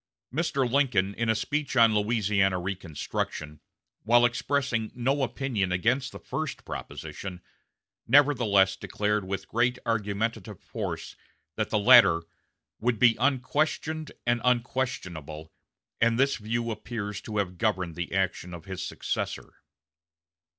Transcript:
Mr. Lincoln, in a speech on Louisiana reconstruction, while expressing no opinion against the first proposition, nevertheless declared with great argumentative force that the latter "would be unquestioned and unquestionable"; and this view appears to have governed the action of his successor.